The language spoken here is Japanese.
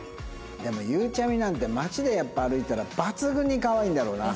でもゆうちゃみなんて街でやっぱ歩いてたら抜群にかわいいんだろうな。